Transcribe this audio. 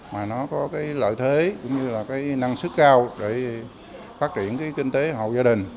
mà nó có lợi thế cũng như năng sức cao để phát triển kinh tế hậu gia đình